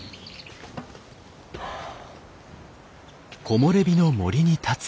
はあ。